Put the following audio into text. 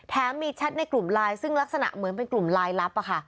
มีแชทในกลุ่มไลน์ซึ่งลักษณะเหมือนเป็นกลุ่มลายลับ